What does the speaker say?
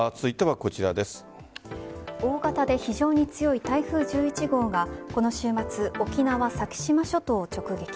大型で非常に強い台風１１号がこの週末沖縄・先島諸島を直撃。